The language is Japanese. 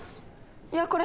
いやこれ。